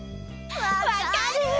わかる！